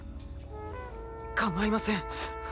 構いません。